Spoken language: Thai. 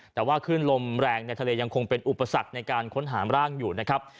แต่ว่าขึ้นลมแรงในทะเลยังคงเป็นอุปสรรคในการค้นหาร่างอยู่นะครับ